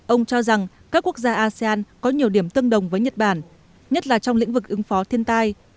ông cho rằng các quốc gia asean có nhiều điểm tương đồng với nhật bản nhất là trong lĩnh vực ứng phó thiên tai